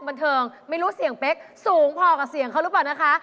บันเทิงไม่รู้เสียงเป๊กสูงพอกับเสียงเขาหรือเปล่านะคะ